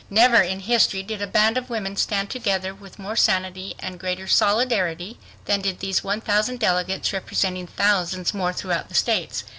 Never in history did a band of women stand together with more sanity and greater solidarity than did these 1000 delegates representing thousands more throughout the States.